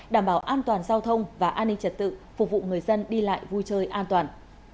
đảm bảo an toàn giao thông và an ninh trật tự phục vụ người dân đi lại vui chơi an toàn